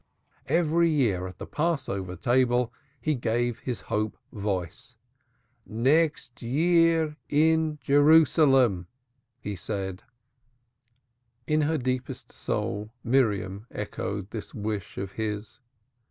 Every year at the Passover table he gave his hope voice: "Next year in Jerusalem." In her deepest soul Miriam echoed this wish of his.